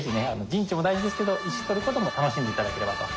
陣地も大事ですけど石取ることも楽しんで頂ければと。